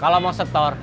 kalau mau sector